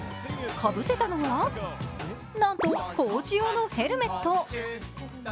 かぶせたのは、なんと工事用のヘルメット。